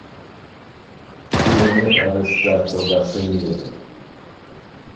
Viene arrestato da Semir.